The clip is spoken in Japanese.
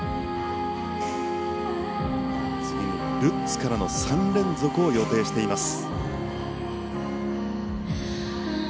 次にルッツからの３連続を予定しています。